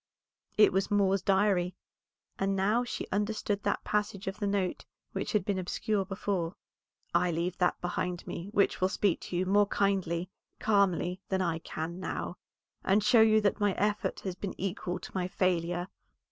It was Moor's Diary, and now she understood that passage of the note which had been obscure before. "I leave that behind me which will speak to you more kindly, calmly, than I can now, and show you that my effort has been equal to my failure."